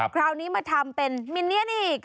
คราวนี้มาทำเป็นมิเนียนอีก